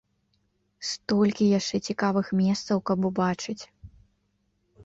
Столькі яшчэ цікавых месцаў, каб убачыць!